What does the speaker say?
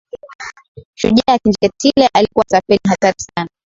Shujaa Kinjekitile alikuwa tapeli hatari sana